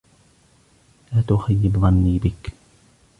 لا تخيب ظني بك!